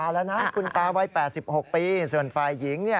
แห่งที่๖ปี